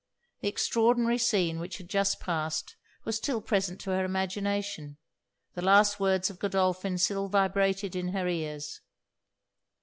The extraordinary scene which had just passed, was still present to her imagination; the last words of Godolphin, still vibrated in her ears.